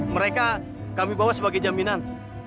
mereka kami bawa sebagai jaminan